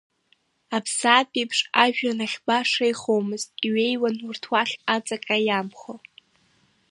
Аԥсаатә еиԥш, ажәҩан ахь баша еихомызт, иҩеиуан урҭ уахь ацаҟьа иамхо.